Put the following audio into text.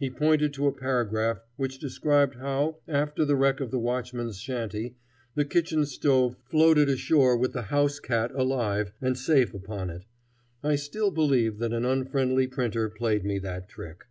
He pointed to a paragraph which described how, after the wreck of the watchman's shanty, the kitchen stove floated ashore with the house cat alive and safe upon it. I still believe that an unfriendly printer played me that trick.